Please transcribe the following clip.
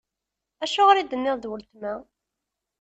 Acuɣer i d-tenniḍ: D weltma?